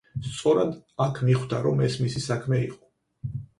სწორად აქ მიხვდა, რომ ეს მისი საქმე იყო.